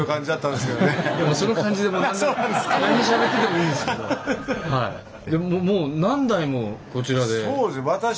いやだけどもう何代もこちらで。